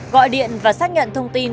gọi điện và xác nhận thông tin